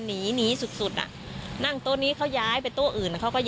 หนึ่งก็ทะลามาหาเขาเลย